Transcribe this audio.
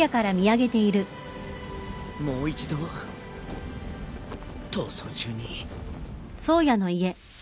もう一度逃走中に。